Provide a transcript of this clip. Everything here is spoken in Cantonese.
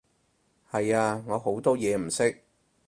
係啊，我好多嘢唔識